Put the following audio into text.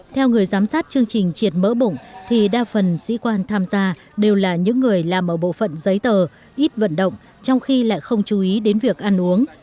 theo người giám sát chương trình triệt mỡ bụng thì đa phần sĩ quan tham gia đều là những người làm ở bộ phận giấy tờ ít vận động trong khi lại không chú ý đến việc ăn uống